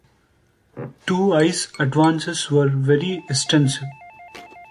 Two ice advances were very extensive.